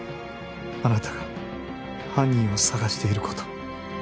あなたが犯人を探していること」。